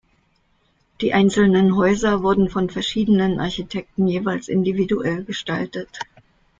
Die einzelnen Häuser wurden von verschiedenen Architekten jeweils individuell gestaltet.